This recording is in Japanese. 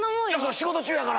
仕事中やから。